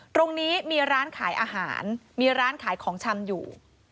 ตรงนี้มีร้านขายอาหารมีร้านขายของชำอยู่